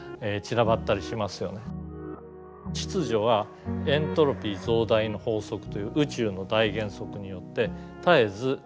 秩序はエントロピー増大の法則という宇宙の大原則によって絶えず壊されよう